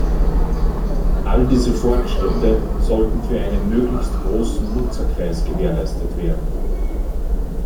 Alle diese Fortschritte sollten für einen möglichst großen Nutzerkreis gewährleistet werden.